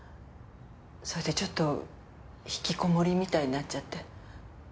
それでちょっと引きこもりみたいになっちゃって。